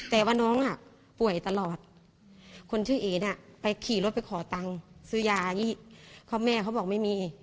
แต่ว่าน้องอ่ะป่วยตลอดคนชื่อเอ๋น่ะไปขี่รถไปขอตังค์ซื้อยาที่แม่เขาบอกไม่มี